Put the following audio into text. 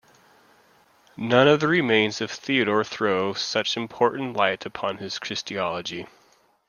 None of the remains of Theodore throw such important light upon his Christology.